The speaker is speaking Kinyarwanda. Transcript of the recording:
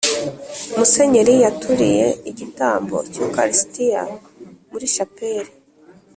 musenyeri yaturiye igitambo cy’ukaristiya muri chapelle